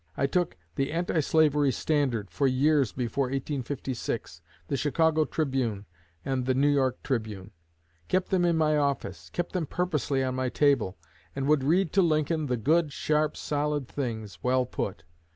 I took 'The Anti Slavery Standard' for years before 1856, 'The Chicago Tribune,' and 'The New York Tribune'; kept them in my office, kept them purposely on my table, and would read to Lincoln the good, sharp, solid things, well put.